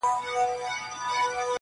لاس مو تل د خپل ګرېوان په وینو سور دی!!